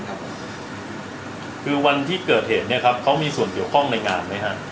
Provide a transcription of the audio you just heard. คือวันที่เกิดเหตุเนี่ยครับเขามีส่วนเกี่ยวข้องในงานไหมฮะ